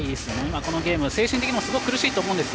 このゲーム精神的にもすごい苦しいと思うんですよ。